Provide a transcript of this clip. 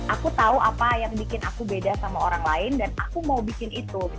aku tahu apa yang bikin aku beda sama orang lain dan aku mau bikin itu